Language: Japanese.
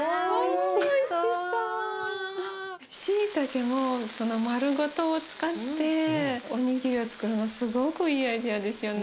しいたけも丸ごとを使っておにぎりをつくるのすごくいいアイデアですよね。